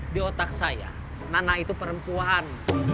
di otak saya nana itu perempuan